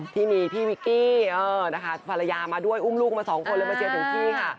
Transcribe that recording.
ที่มีพี่วิกกี้นะคะภรรยามาด้วยอุ้มลูกมาสองคนเลยมาเชียร์ถึงที่ค่ะ